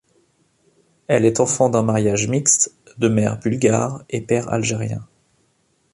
Elle est enfant d'un mariage mixte de mère bulgare et père algérien.